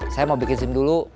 saya mau bikin sim dulu